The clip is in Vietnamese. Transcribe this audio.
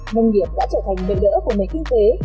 nông nghiệp đã trở thành nền đỡ của nền kinh tế